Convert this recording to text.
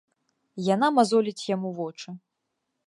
Яна мазоліць яму вочы.